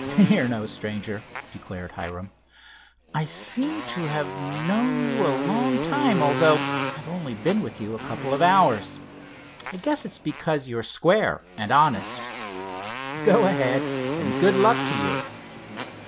"You're no stranger," declared Hiram. "I seem to have known you a long time, although I've only been with you a couple of hours. I guess it's because you're square and honest. Go ahead, and good luck to you!"